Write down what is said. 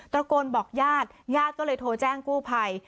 ระโกนบอกญาติญาติก็เลยโทรแจ้งกู้ภัย